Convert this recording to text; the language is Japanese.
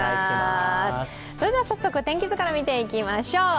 早速天気図から見ていきましょう。